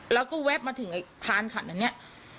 แล้วก็แวบมาถึงไอ้พานขันอันนี้